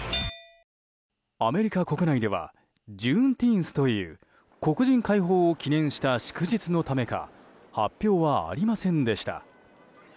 アメリカ国内ではジューンティーンスという黒人解放を記念した祝日のためか発表はありませんでした。